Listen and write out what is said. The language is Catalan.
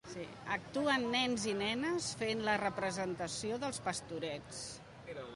Actuen nens i nenes fent la representació d'Els Pastorets.